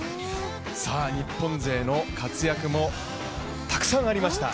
日本勢の活躍もたくさんありました。